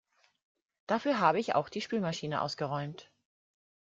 Dafür habe ich auch die Spülmaschine ausgeräumt.